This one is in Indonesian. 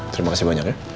terima kasih banyak ya